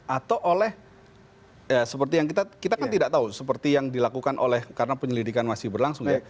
atau oleh ya seperti yang kita kan tidak tahu seperti yang dilakukan oleh karena penyelidikan masih berlangsung ya